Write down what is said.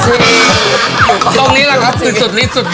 ตรงนี้แหละครับคือสุดฤทธิ์สุดเด็ด